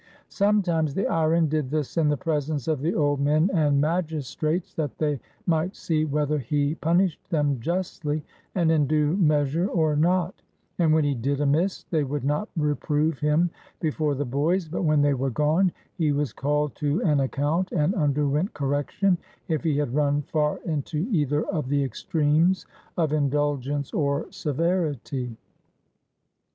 Some times the Iren did this in the presence of the old men and magistrates, that they might see whether he pun ished them justly and in due measure or not ; and when he did amiss, they would not reprove him before the boys, but, when they were gone, he was called to an account and underwent correction, if he had run far into either of the extremes of indulgence or severity.